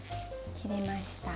切れました。